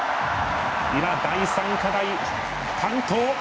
今、第３課題、完登！